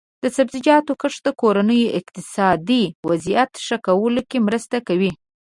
د سبزیجاتو کښت د کورنیو اقتصادي وضعیت ښه کولو کې مرسته کوي.